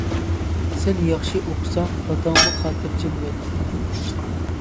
سەن ياخشى ئوقۇساڭ داداڭمۇ خاتىرجەم ياتىدۇ.